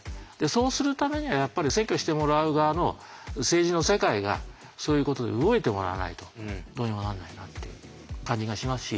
そうするためにはやっぱり選挙してもらう側の政治の世界がそういうことで動いてもらわないとどうにもなんないなって感じがしますし。